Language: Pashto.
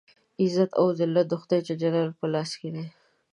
عزت او ذلت د خدای جل جلاله په لاس کې دی.